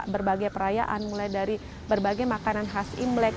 berbagai perayaan mulai dari berbagai makanan khas imlek